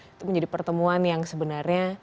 itu menjadi pertemuan yang sebenarnya